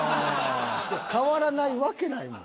変わらないわけないもん